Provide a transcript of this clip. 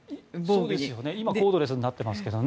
今はコードレスになってますけどね。